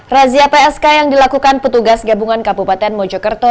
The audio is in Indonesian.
razia psk yang dilakukan petugas gabungan kabupaten mojokerto